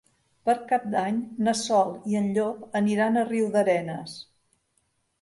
Per Cap d'Any na Sol i en Llop aniran a Riudarenes.